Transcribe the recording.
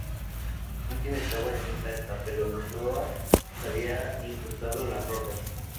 La máquina estaba intacta, pero la proa se había incrustado en las rocas.